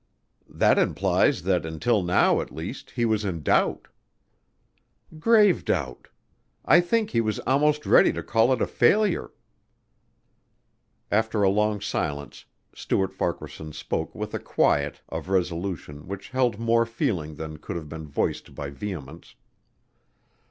"That implies that until now at least he was in doubt." "Grave doubt. I think he was almost ready to call it all a failure." After a long silence Stuart Farquaharson spoke with a quiet of resolution which held more feeling than could have been voiced by vehemence.